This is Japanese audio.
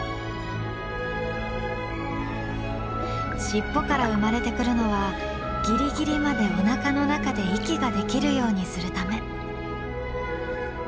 尻尾から生まれてくるのはギリギリまでおなかの中で息ができるようにするため。